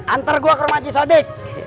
antar gua ke rumah cisodik